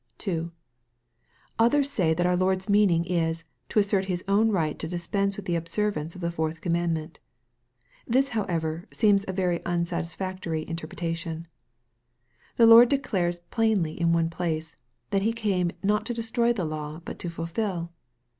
2. Others say that our Lord's meaning is, to assert His own right to dispense with the observance of the fourth commandment. This however seems a very unsatisfactory interpretation. Our Lord de clares plainly in one place, that He came " not to destroy the law but to fulfil."